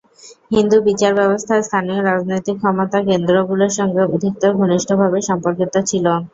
হিন্দু বিচারব্যবস্থা স্থানীয় রাজনৈতিক ক্ষমতা কেন্দ্রগুলোর সঙ্গে অধিকতর ঘনিষ্ঠভাবে সম্পর্কিত ছিল।